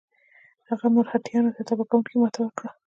هغه مرهټیانو ته تباه کوونکې ماته ورکړه.